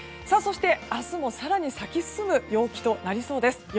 そして、明日も更に咲き進む陽気となりそうです。